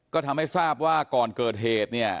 ก็ทำให้ทราบว่าก่อนเกิดเหตุเนี่ย